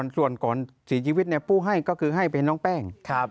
ส่วนก่อนเสียชีวิตผู้ให้ก็คือให้เป็นน้องแป้ง